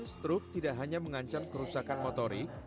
stroke tidak hanya mengancam kerusakan motorik